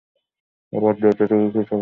এই ভদ্রতাটুকু কি সবাই দেখায়?